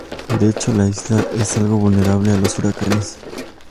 De hecho, la isla es algo vulnerable a los huracanes.